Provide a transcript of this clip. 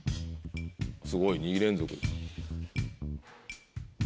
すごい２連続。